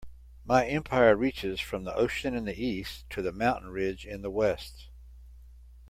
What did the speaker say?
My empire reaches from the ocean in the East to the mountain ridge in the West.